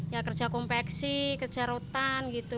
ya kerja kompleksi kerja rotan gitu